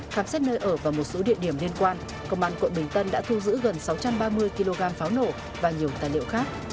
khám xét nơi ở và một số địa điểm liên quan công an quận bình tân đã thu giữ gần sáu trăm ba mươi kg pháo nổ và nhiều tài liệu khác